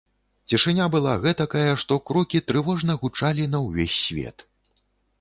Цішыня была гэтакая, што крокі трывожна гучалі на ўвесь свет.